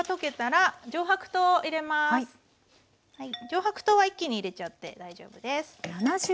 上白糖は一気に入れちゃって大丈夫です。